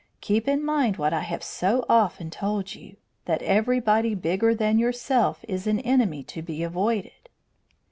"Keep in mind what I have so often told you, that everybody bigger than yourself is an enemy to be avoided.